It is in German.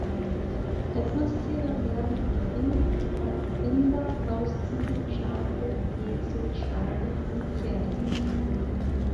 Als Nutztiere werden in geringem Umfang Rinder, Hausziegen, Schafe, Esel, Schweine und Pferde gehalten.